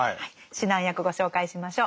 指南役ご紹介しましょう。